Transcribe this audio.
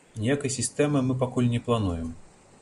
Ніякай сістэмы мы пакуль не плануем.